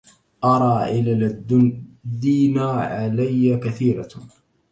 أرى علل الدينا علي كثيرة